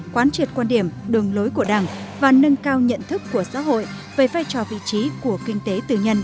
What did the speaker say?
quán triệt quan điểm đường lối của đảng và nâng cao nhận thức của xã hội về vai trò vị trí của kinh tế tư nhân